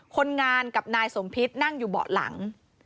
คนงานกับนายสมพิษนั่งอยู่เบาะหลัง